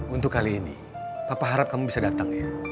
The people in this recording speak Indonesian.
untuk kali ini papa harap kamu bisa datang ya